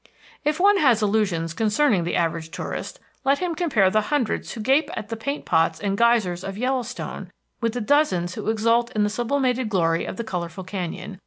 If one has illusions concerning the average tourist, let him compare the hundreds who gape at the paint pots and geysers of Yellowstone with the dozens who exult in the sublimated glory of the colorful canyon.